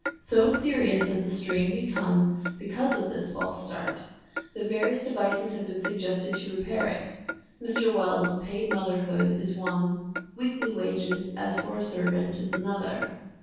So serious has the strain become because of this false start that various devices have been suggested to repair it Mr. Wells' "Paid Motherhood" is one; weekly wages as for a servant is another.